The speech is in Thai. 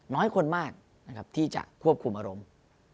น้อยคนมากที่จะควบคุมอารมณ์